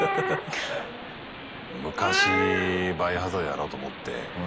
昔「バイオハザード」やろうと思ってね